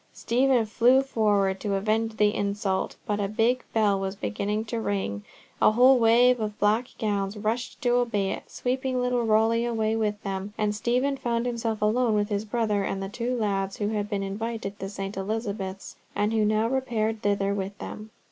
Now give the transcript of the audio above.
Stephen flew forward to avenge the insult, but a big bell was beginning to ring, a whole wave of black gowns rushed to obey it, sweeping little Rowley away with them; and Stephen found himself left alone with his brother and the two lads who had been invited to St. Elizabeth's, and who now repaired thither with them.